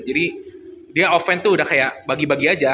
jadi dia offense tuh udah kayak bagi bagi aja